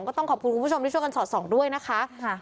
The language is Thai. ก็ต้องขอบคุณคุณผู้ชมที่ช่วยกันสอดส่องด้วยนะคะ